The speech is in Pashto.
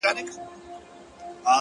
o مخ ځيني واړوه ته؛